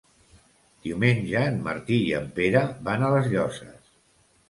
Diumenge en Martí i en Pere van a les Llosses.